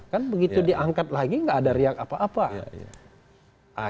kan begitu diangkat lagi nggak ada riak apa apa